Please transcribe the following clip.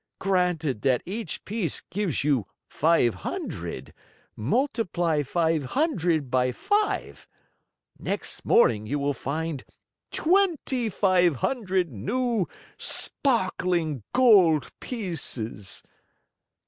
Granted that each piece gives you five hundred, multiply five hundred by five. Next morning you will find twenty five hundred new, sparkling gold pieces."